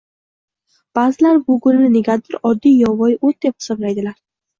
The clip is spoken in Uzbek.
Bazilar bu gulni negadur oddiy yovvoyi o‘t deb hisoblaydilar.